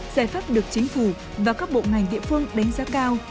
giải pháp được chính phủ và các bộ ngành địa phương đánh giá cao